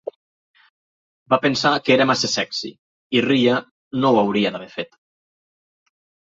Va pensar que era massa sexy i Riya no ho hauria d'haver fet.